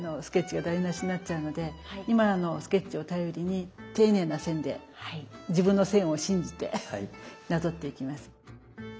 スケッチが台なしになっちゃうので今のスケッチを頼りに丁寧な線で自分の線を信じてなぞっていきます。